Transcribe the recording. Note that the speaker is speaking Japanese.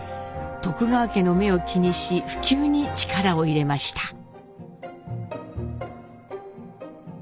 徳川家の目を気にし普及に力を入れました。